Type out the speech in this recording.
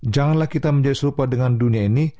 janganlah kita menjadi serupa dengan dunia ini